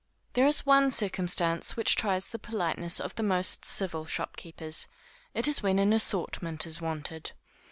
There is one circumstance which tries the politeness of the most civil shopkeepers; it is when an assortment is wanted.